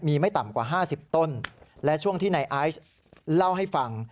มีไม่ต่ำกว่า๕๐ต้นและช่วงที่นายไอซ์เล่าให้ฟัง